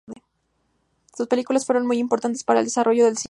Sus películas fueron muy importantes para el desarrollo del cine.